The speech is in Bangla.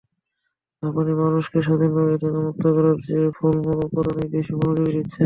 আপনি মানুষকে পরাধীনতা থেকে মুক্ত করার চেয়ে ফলমূল উৎপাদনেই বেশি মনোযোগ দিচ্ছেন!